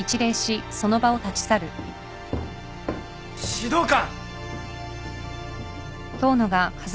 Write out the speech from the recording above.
指導官！